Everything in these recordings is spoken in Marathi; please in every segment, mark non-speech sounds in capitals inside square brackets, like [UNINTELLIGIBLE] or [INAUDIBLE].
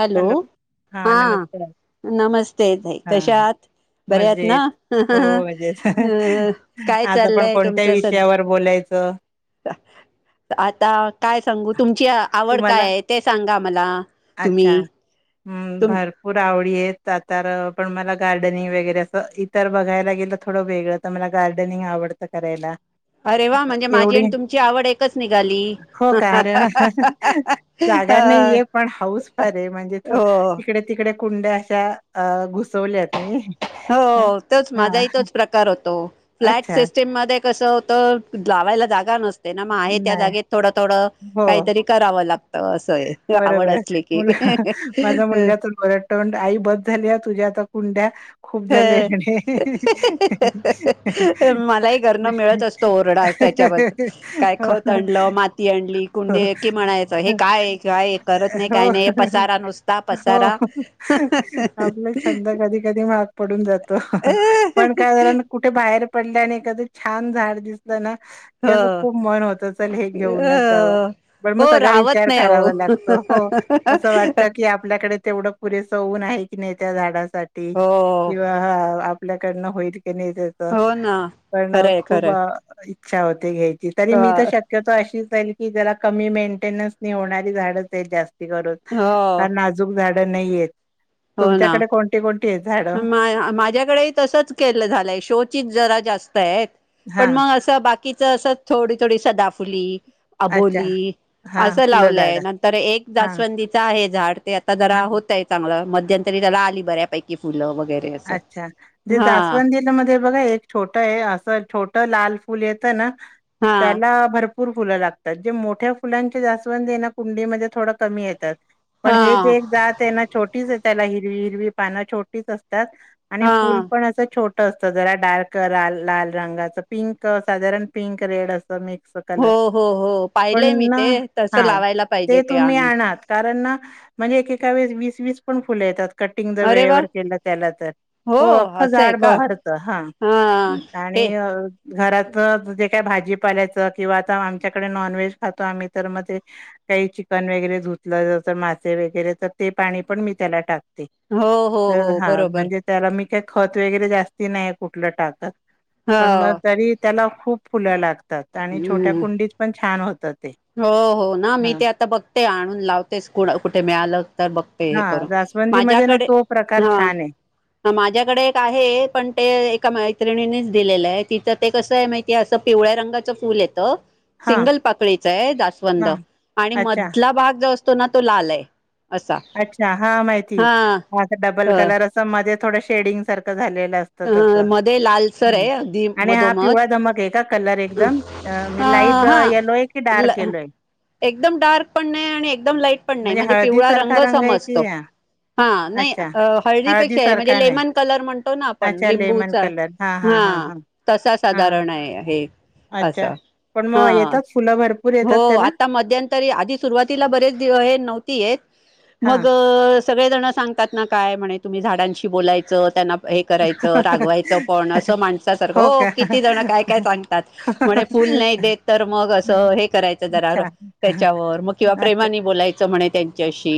हॅलो हा नमस्ते ताई हा कशा आहात. बर्या आहात मजेत ना अ हो मजेत हा काय आज आपण चाललंय कोणत्या तुमचं सध्या. विषयावर बोलायचं आता काय सांगू तुमची आवड काय तुम्हाला आहे, ते सांगा मला. तुम्ही अच्छा हम्म तुम भरपूर आवडी आहेत. [UNINTELLIGIBLE] पण मला गार्डनिंग वगैरे अस इतर बघायला वेगळ तर मला गार्डनिंग आवडतं करायला. अरे वा म्हणजे माझी एवढी आणि तुमची आवड एकच निघाली हो हा का हा अरे हा वा हा हा हा हा अ. जागा हा. नाहीये पण हाऊस फार आहे म्हणजे इकडे तिकडे कुंड्या अशा घुसवल्यात मी. हो तोच हा माझाही तोच प्रकार होतो फ्लॅट अच्छा सिस्टीम मध्ये कसं होत. लावायला जागा नसते ना मग आहे, त्या नाही जागेत थोडं थोडं. अ हो काहीतरी कराव लागत असंय आवड बरोबर असली की. [UNINTELLIGIBLE] ड आई ब झाली तुझ्या आता कुंड्या खूप ह ह झाले म्हणे. ह ह ह ह ह ह मलाही घरन मिळत असतो ओरडा. त्याच्याबद्दल काय खत हो, आणलं मा ती आणली हो. कुंडी की, म्हणायचं हे काय काय करत नाही काय नाही हे हो. पसारा नुसता हो पसारा. हं हं हं आपला हं छंद हं. कधी कधी महाग पडून जातो हा हा पण काय झा कुठे बाहेर पडले आणि एखादं छान झाड दिसलं ना. की असं हो खूप मन होत चल हे घेऊनच जावं. अ पण हो मग सगळा राहवत विचार नाही करावा लागतो हो असं वाटत अहो की आपल्याकडे तेवढं पुरेस होऊन. आहे की नाही त्या झाडा हो किंवा आपल्याडन होईल का. नाही त्याच हो ना पण खरंय खूप खरंय इच्छा होते, घ्यायची तरी अ मी तर शक्य ल [UNINTELLIGIBLE] की ज कमी मेंटेन्स होणारी झाड जास्त हो [UNINTELLIGIBLE] नाजूक झाड नाहीेत तुमच्याकडे कोणती कोणती आहेत हा झाडं मा माझ्याकडे तसच केलं झालंय शोचि जरा जास्त. स्त हा पण मग असं बाकीच अस थोडी थोडी सदाफुली. अच्छा अबोली हा असं फुलं लावलंय झाडं नंतर एक हा जास्वंदीच आहे झाड. ते आता हा जरा होतय चांगलं मध्यंतरी त्याला आली बऱ्यापैकी फुलं वगैरे असं अच्छा हा जास्वंदीन मध्ये बघा एक छोट आहे असं छोट लाल फूल येत ना हा त्याला भरपूर भरपूर फुलं लागतात जे मोठ्या फुलांचे जास्वद हे ना कुंडीमध्ये थोडं कमी येतात. पण हे हा जे जात आहे ना छोटीच त्याला हिरवी हिरवी पानं छोटीच असत त आणि फुल हा पण अस छोट असत जरा डार्क लाल लाल रंगाच पिंक साधारण पिंक रेड असत म हो कलर हो हो पण पाहिलंय मी ना ते तसं हा लावायला पाहिजे ते तुम्ही आणून आना कारण ना म्हणजे एकेका वळेस वीस वीस पण फुले येतात कटिंग जर अरे वा वेळेवर केलं त्याला तर हो अख्खं असं आहे झाड का बहरत हा आणि हे घरात जे काय भाजी पालायचं किंवा आता आमच्याकडे नॉनव्हेज खातो आम्ही तर म ते काही चिकन वगैरे धुतलं जस मासे वगैरे तर ते पाणी पण मी त्याला टाक हो हो हो. हा बरोबर म्हणजे त्याला मी काही खत वगैरे जास्ती नाही कुठलं टाकत. हा पण मग तरी त्याला खूप फुलं लागतात आणि छोट्या हम्म कुंडीत पण छान होत हो हो ना मी ते आता बघते आणून लावतेस कु कुठे मिळालं तर बघते हे हां, करून जास्वंदीमध्ये ना माझ्याकडे तो प्रकार हा छान आहे. ह माझ्याकडे एक आहे पण ते मैत्रिणीनीच दिलेलं आहे तिथं ते कसं आहे माहिती असं पिवळ्या रंगाचं फुल येतं हां, सिंगल पाकळीच आहे जास्वंद हां. आणि अच्छा, मधला भाग जो असतो ना तो लाल आहे. असा अच्छा हा माहिती हा डबल अ कलर असं मध्ये थोडं शेडिंग सारखं झालेलं हे अ, असत तस मध्ये लालसर आहे अगदी आणि हा मधोमध पिवळा धमक आहे का कलर अ एकदम लाईट हा येलो आहे की डार्क ल येलो आहे? एकदम डार्क पण नाही आणि एकदम लाईट पण नाही म्हणजे पिवळा रंग हळदीसारखा आहे समजतो. की हां, हा नाही अच्छा. अ हळदी पेक्षाही म्हणजे हळदीसारखा नाही. लेमन कलर म्हणतो आ पण अच्छा लेमन लिंबूचा कलर. हां, हां, हा हां, हां. तसा हां, साधारण आहे. हे अच्छा. असं पण मग हा येतात फुलं भर हो. आता मध्यंतरी आधी सुरुवातीला बरेच दिव हे नव्हती येत मग हां. सगळे जण सांगतात ना काय म्हणे तुम्ही झाडांशी बोलायच त्यां हे करायचं रागवायचं पण अस माणसासारखं हो किती जण काय काय सांगतात म्हणे फूल नाही देत तर मग अस अ हे करायचं जरा अच्छा. त्याच्यावर मग किंवा अच्छा. प्रेमानी बोलायचं म्हणे च्याशी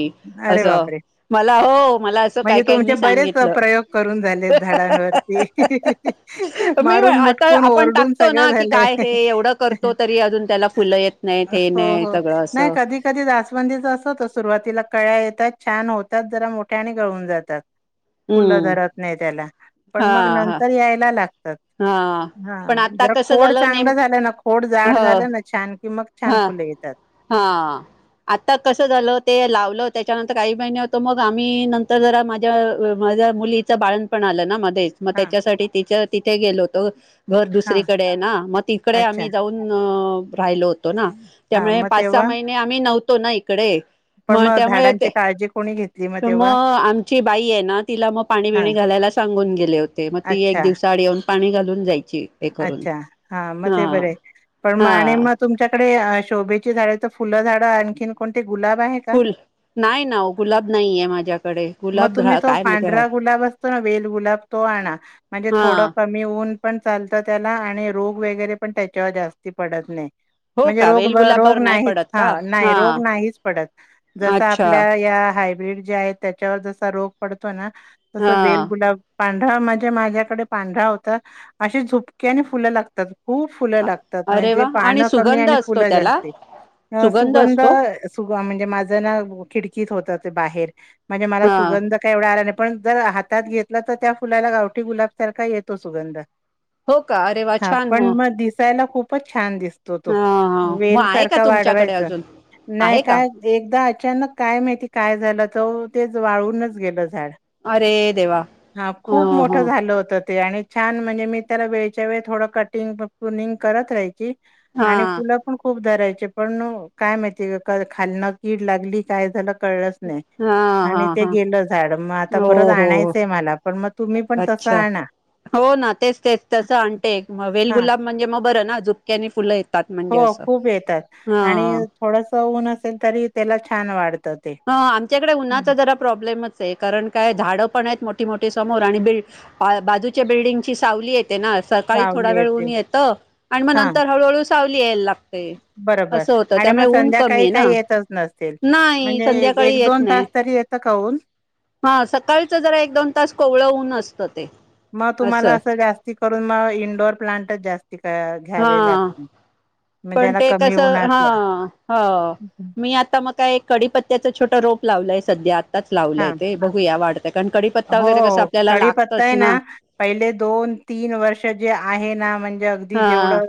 अरे असं बापरे! मला हो मला असं काय म्हणजे तुमचे कायनी बरेच सांगितलं प्रयोग करून झालेत झाडांवरती अहं मी अहं करून आता मुटकून आपण ओरडून टाकतो सगळं ना की झालंय. काय हे एवढं अहं अहं. करतो तरी अजून त्याला फुलं येत नाहीत हे हो नाही हो सगळं नाही असं कधी कधी जास्वंदीच असतो सुरुवाती ला कळ्या येतात छान होतात, जरा मोठ्या आणि गळून जातात. फुलं हम्म धरत नाही त्याला पण हा मग हा नंतर यायला लाग तात. हा पण आता हांजरा कसं खोड झालं नेम चांगलं झालं ना, खोड ह जाड झालं ना छान की मग छा हा फुलं येतात. हा आता कसं झालं ते लावलं त्याच्यानंतर काही महिने होत, मग आम्ही नंतर जरा माझ्या माझ्या मुलीचं बाळंतपण आलं ना मग तेच मग हां, त्याच्यासाठी तिच्या तिथे गेलो होतो. घर हां. दुसरीकडे आहे ना, मग तिकडे अच्छा. आम्ही जाऊन राहिलो. होतो ना हा त्यामुळे मग पाच, सहा तेव्हा महिने आम्ही नव्हतो ना इकडे पण मग त्यामुळे ते झाडांची काळजी कोणी घेतली तर तेव्हा मग आमची बाई आहे ना तिला मग पाणी हा बीणी घालायला सांगून गेले होते मग ती एक अच्छा दिवस पाणी घालून जाई अच्छा हां मग ते बरं आहे पण मग आणि हा मग तुमच्याकडं हे आ शोभेची झाड तर फुलं झाड आणखीन कोणते गुलाब आहे का? फुल नाही ना गुलाब नाही आहे माझ्याकडे मग गुलाब तुम्ही तो काय माहिती राह पांढरा गुलाब असतो ना वेल गुलाब तो पण म्हणजे हा थोडं कमी ऊन. चालत त्याला आणि रोग वगैरे पण त्याच्यावर जास्ती पडत नाही. हो म्हणजे का रो वेल व रो गुलाबावर नाही नाहीच पडत का हा नाही रोग नाहीच पडत जस अच्छा आपल्या या आहे. भीड जे आहे, त्याच्यावर जसा रोग पडतोय ना तस हा वेलगुलाब. पांढरा म्हणजे माझ्याकडे पांढरा होता. अशी झोपक्या आणि फुलं लागतात खूप. फुलं लागतात अरे म्हणजे वा पान आणि कमी सुगंध आणि असतो फुलं त्याला जास्त. अ सुगंध सु म्हणजे माझं ना खिडकीत होतात. बाहेर म्हणजे मला हा सुगंध कावढ आला नाय. पण जर हातात घेतलं तर त्या फुलाला गावठी गु लाबसारखा येतो सुगंध. हो का अरे वा हा छान हो पण मग दिसायला खूपच छान दिस ते ते ह मग वेल आहे का सारखा तुमच्याकडे वाढवायचा. अजून नाही आहे का काय एकदा अचानक काय माहिती काय झालं च तेच वाळूनच गेलं झाड. अरे देवा हा ह खूप ह मोठं झालं होत, ते आणि. छान म्हणजे मी त्याला वेळच्या वेळ थोडं कटिंग पनिंग करत राहायची. हा आणि फुलं पण खूप धरायचे पण काय माहिती खालना कीड लागली काय झालं. कळलंच नाही हा हा आणि ते हा गेलं झाड, मग आता हो परत हो आणायचंय मला. पण म तुम्ही पण तसं आणा. च तसं आणते हा वेलगुलाब म्हणजे मग बरं ना झुपक्याने फुलं ये हो खूप येतात आणि थोडस ऊन असेल, तरी त्याला छान वाढ ह आमच्याकडे उन्हाचा जरा प्रॉब्लेमच आहे कारण काय झाडं पण आहेत मोठ ती मोठी समोर आणि ब बाजूच्या बिल्डिंगची सावली आहेत. तेना सकाळी थोडा सावली वेळ ऊन येते येतं आणि मग हां नंतर हळूहळू सावली येयला लागते. बरोबर असं होत आणि मग त्यामुळे ऊन कमी संध्याकाळी आहे काही ना येतच नसतील. नाही. म्हणजे एक संध्याकाळी एक येत दोन नाही, तास तरी येतं का ऊन? हा सकाळच जरा एक दोन तास कोवळं ऊन असत. मग तुम्हाला असं जास्ती करून मग इंडोर प्लांटच जास्त िक घ्यावे हा लागतील म्हणजे पण याला ते कमी कस हा उन्हाचं ह मी आता मग काय कडीपत्त्याच छोटं रोप लावलंय सध्या आताच हां. लावलंय ते बघूया वाढत. हो कडी पत्ताय ना पहिले दोन तीन वर्ष जे आहे ना म्हणजे म्हणजे अगदी हा जेवढं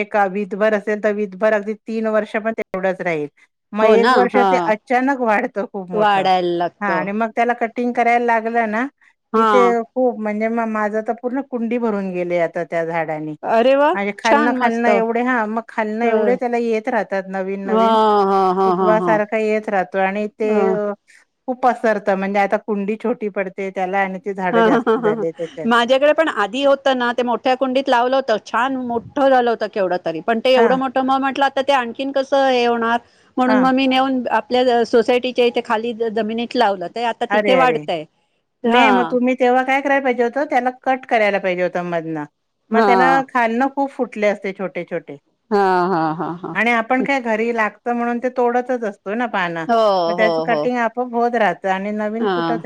एक विधभर असेल तर विधभर अगदी तीन वर्ष पण तेवढंच राहील. मग हो एक ना वर्ष हा ते अचानक वाढतं खूप मोठं वाढायला हा लागत आणि मग त्याला कट कटिंग करायला लागलं ना किथ हा खूप म्हणजे माझ तर पूर्ण कुंडी भरून गेले आता. त्या झाडानी अरे वा म्हजी खालन छान खालन मस्त एवढे हा म खालन ह एवढे त्या येत राहतात नवीण नवी हा नवीण हा हा कुठवा हा सारख येत राहतो आणि ते. हा खूप पसरतं म्हणजे आता कुंडी छोटी पडते त्याला. ते हा झाडं ह जास्त ह ह झाले त्याच्यात माझ्याकडे पण आधी होतं ना ते मोठ्या कुंडीत लावलं होत छान मोठ. मोठ झालं होतं केवढं तरी पण ते हा एवढं मोठं मग म्हटलं आता ते आणखीन कसं हे होणार हा म्हणून मग मी नेऊन आपल्या सोसायटीच्या इथे खाली जमिनीत लावलं. ते आता अरे तिथे अरे वाढतय नाही मग हा. तुम्ही तेव्हा काय करायला पाहिजे होत, त्याला कट करायला पाहिजे होत, मधन मग हा त्याला खालन. खूप फुटले असते, छोटे छोटे हा हा हा हा आणि आपण काय घरी लाग म्हणून ते तोडतच असतो, ना पान हो मग त्याच कटिंग आपप होत राहत. ह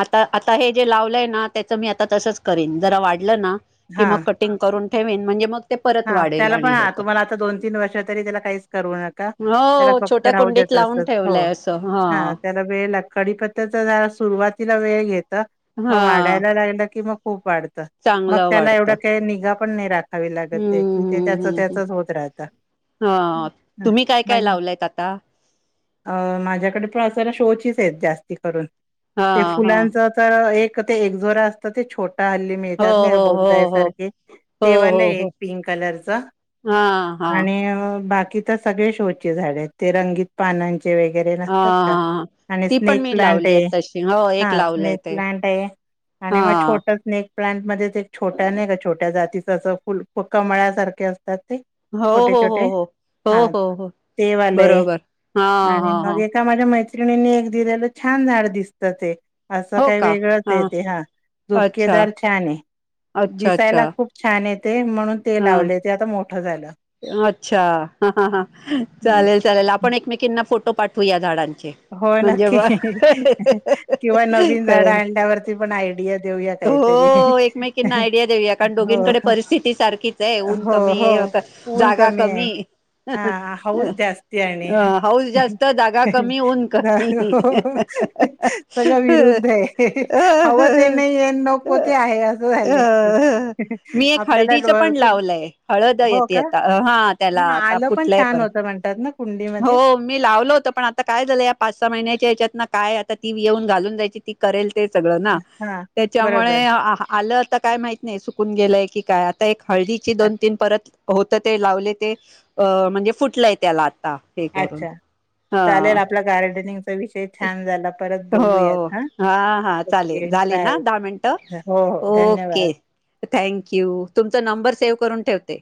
आता आता हे जे लावलंय ना त्याच मी आता तसच करीन जरा वाढ. वाढल ना की हा मग कटिंग करून ठेवेन म्हणजे मग ते परत हा वाढेल त्याला आणि पण हे हा कर तुम्हाला आता दोन तीन वर्ष तरी त्याला काहीच करू नका, त्याला हो फक्त छोट्या राहू देत. कुंडीत तस लावून हो ठेवलंय असं हा त्याला वेळ लाग कडीपत्याच जरा सुरुवातीला वेळ घेत मग हा वाढायला लागलं की मग खूप वाढत. मग चांगलं त्याला एवढ वाढतं काही निगा पण नाही राखावी हम्म लागत. त्याची ते हम्म त्याच हम्म हम्म त्याचच होत राहत. हा तुम्ही काय काय लावलायत आता अ माझ्याकडे पण अस जरा शो चीच जास्ती करून हा ते हा फुलांचा आता एक ते एक दोरा असतो हल्ली हो मिळतात नाही हो हो हो का [UNINTELLIGIBLE] हो ते वाले हो हो एक पिंक कलरचा, हा हा आणि बाकी तर सगळे शोचे झाडे आहेत, ते रंगीत पानांचे वगैरे हा नसतात का. हा आणि ती पण स्नेक मी प्लांट लावली आहे हे तशी हो एक हा लावलंय स्नेक ते प्लांट हे आणि हा मग छोट स्नेक. प्लांटमध्ये ते छोट्या नाही का छोट्या जातीचं असं फुल कमळ्यासारखे असतात ते हो छोटे, हो हो छोटे हो हो हा हो हो ते वाले बरोबर हा आणि हा मग हा एका माझ्या मैत्री [UNINTELLIGIBLE] एक दिलेलं छान झाड दिसत ते. असं हो काही का वेगळंचये ते हा अच्छा झुपकेदार छान हे. अच्छा दिसायला अच्छा खूप छान हे. पण ते हा लावले ते आता मोठ अच्छा, हांहा हम्म. चालेल, चालेल आपण एकमेकीना फोटो तो पाठवू या [UNINTELLIGIBLE] होय, नक्की हिही किंवा नवीन झाड कळेल आणल्यावरती पण आयडिया देऊयात. काहीतरी हिही हो एकमेकींना आयडिया देऊया कारण हो. दोघींकडे परिस्थिती सारखीच आहे ऊन हो, कमी आहे हो ऊन जागा कमी आहे. हा हा हाऊस जास्त आहे आणि अ हाऊस जास्त जागा कमी ऊन अ, कमी हो, हं हं सगळं विरुद्ध हे. हंहं, हवं ते नाही येत नको हो, ते आहे असं झालंय हंहं मी एक आपल्याला हळदीचं पण लावलंय हळद हो येते का? आता हा त्याला आता आलं पण फुटलंय छान परत होतं ना हो कुंडीमध्ये? मी लावल होत, पण आता काय झाल [UNINTELLIGIBLE] पाच सहा महिन्याच्या याच्यात ना काय आता ती येऊन घालून जायची ती करेल ते सगळ ना, हां, बरोबर. त्याच्यामुळे आलं आता काय माहित नाही सुकून गेलंय की काय आता एक हळदीची अ दोन तीन परत होत ते लावले ते अ म्हणजे फुटलंय त्याला आता. हे करून अच्छा. चालेल आपला गार्डनिंगचा विषय छान झाला. परत बोलूयात हां--हो, हां. हाहा चालेल. ओके, झाले बाय. ना, दहा मिनिटं हो, हो. धन्यवाद. ओके. थँक्यू, तुमचा नंबर सेव्ह करून ठेवते. ते.